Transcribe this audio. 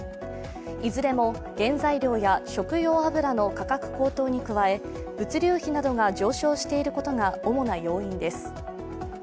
いずれも原材料や食用油の価格高騰に加え、物流費などが上昇していることが主な要因です。